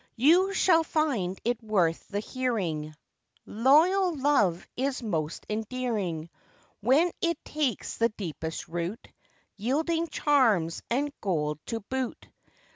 You shall find it worth the hearing; Loyal love is most endearing, When it takes the deepest root, Yielding charms and gold to boot.